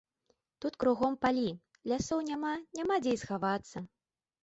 Там кругом палі, лясоў няма, няма дзе і схавацца.